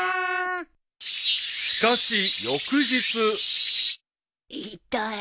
［しかし翌日］痛い。